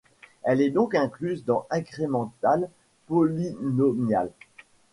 Elle est donc incluse dans IncrementalPolynomial.